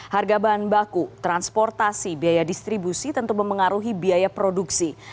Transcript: harga bahan baku transportasi biaya distribusi tentu memengaruhi biaya produksi